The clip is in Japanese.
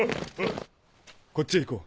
こっちへ行こう。